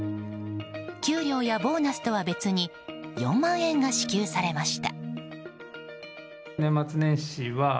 給料やボーナスとは別に４万円が支給されました。